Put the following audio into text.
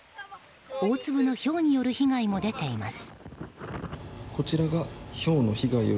大粒のひょうによる被害も出ています。